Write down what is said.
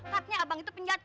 kartunya abang itu penjahat